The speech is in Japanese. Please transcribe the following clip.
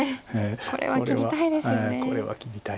これは切りたいです。